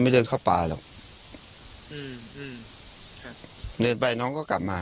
ที่มีข่าวเรื่องน้องหายตัว